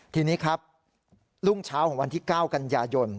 ทีนี้ครับรุ่งเช้าของวันที่๙กันยายน